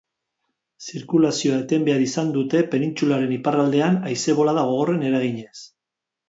Zirkulazioa eten behar izan dute penintsularen iparraldean haize bolada gogorren eraginez.